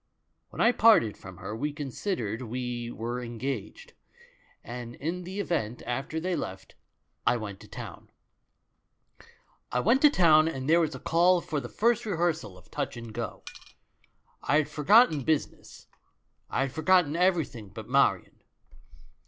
"When I parted from her we considered we 30 THE MAN WHO UNDERSTOOD WOMEN were engaged ; and in the evening, after they left, I went to town, "I went to town, and there was a call for the first rehearsal of Touch and Go. I had forgot ten business, I had forgotten everything but Ma rion.